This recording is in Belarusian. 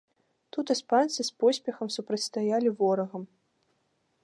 Тут іспанцы з поспехам супрацьстаялі ворагам.